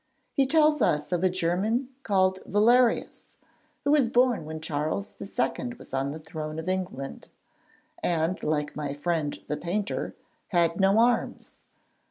He tells us of a German called Valerius, who was born when Charles II. was on the throne of England, and like my friend the painter, had no arms.